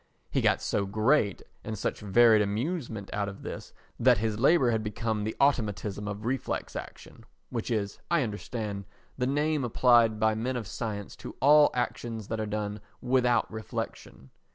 He got so great and such varied amusement out of this that his labour had become the automatism of reflex action—which is, I understand, the name applied by men of science to all actions that are done without reflection.